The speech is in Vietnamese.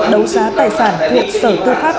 đấu giá tài sản thuộc sở thư pháp